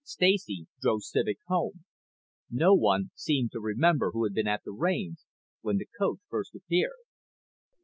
Stacy drove Civek home. No one seemed to remember who had been at the reins when the coach first appeared.